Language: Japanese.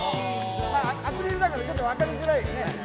アクリルだからちょっと分かりづらいね。